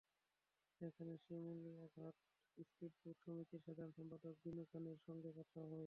সেখানে শিমুলিয়া ঘাট স্পিডবোট সমিতির সাধারণ সম্পাদক বিনু খানের সঙ্গে কথা হয়।